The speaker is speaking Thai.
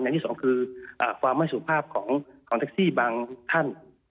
ที่สองคือความไม่สุภาพของแท็กซี่บางท่าน